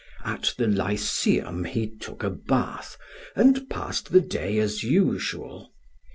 At the Lyceum he took a bath, and passed the day as usual.